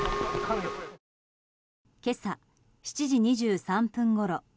今朝７時２３分ごろ。